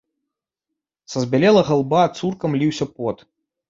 Са збялелага лба цурком ліўся пот.